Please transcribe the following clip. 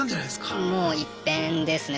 もう一変ですね。